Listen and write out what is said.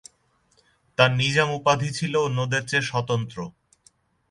তার নিজাম উপাধি ছিল অন্যদের চেয়ে স্বতন্ত্র।